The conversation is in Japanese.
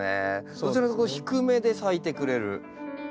どちらかというと低めで咲いてくれる。